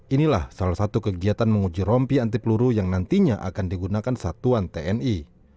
inilah salah satu kegiatan menguji rompi anti peluru yang nantinya akan digunakan satuan tni